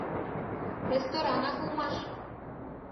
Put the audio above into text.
Ресторанак улмаш.